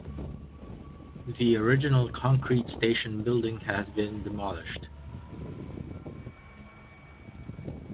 The original concrete station building has been demolished.